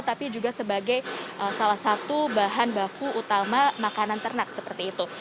tapi juga sebagai salah satu bahan baku utama makanan ternak seperti itu